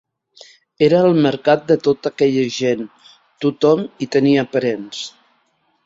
Era el mercat de tota aquella gent, tothom hi tenia parents